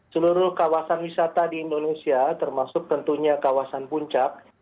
seluruh kawasan wisata di indonesia termasuk tentunya kawasan puncak